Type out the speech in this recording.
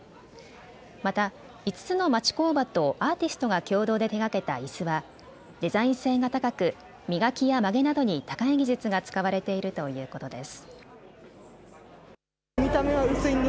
また５つの町工場とアーティストが共同で手がけたいすは、デザイン性が高く、磨きや曲げなどに高い技術が使われているということです。